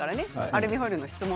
アルミホイルの質問。